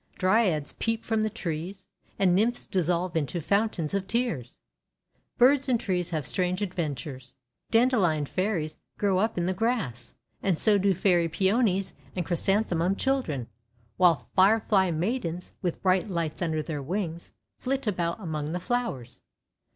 Dryads peep from the trees, and Nymphs dissolve into foun tains of tears. Birds and trees have strange adventures. Dandelion Fairies grow up in the grass, and so do Fairy Peonies and Chrysan themum Children; while Firefly Maidens, with bright lights under their wings, flit about among the flowers.